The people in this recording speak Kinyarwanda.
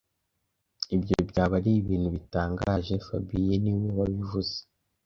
Ibyo byaba ari ibintu bitangaje fabien niwe wabivuze